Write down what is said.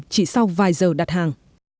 chỉ sau vài giờ đặt hàng